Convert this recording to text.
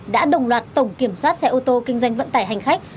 đã đồng loạt tổng kiểm soát xe ô tô kinh doanh vận tải hành khách